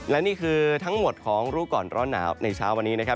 และนี่คือทั้งหมดของรู้ก่อนร้อนหนาวในเช้าวันนี้นะครับ